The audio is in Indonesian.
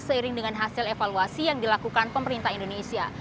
seiring dengan hasil evaluasi yang dilakukan pemerintah indonesia